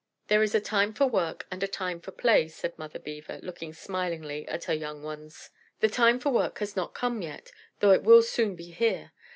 "There is a time for work and a time for play," said Mother Beaver, looking smilingly at her young ones. "The time for work has not come yet, though it will soon be here.